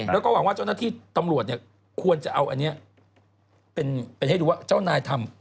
แล้วก็หวังว่าเจ้าหน้าที่ตำรวจเนี่ยควรจะเอาอันนี้เป็นให้ดูว่าเจ้านายทำ